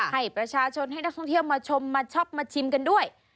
ให้ประชาชนให้นักท่องเที่ยวมาชมมาชอบมาชิมกันด้วย